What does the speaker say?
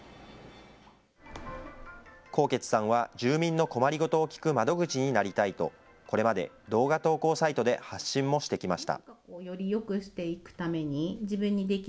纐纈さんは住民の困りごとを聞く窓口になりたいと、これまで動画投稿サイトで発信もしてきました。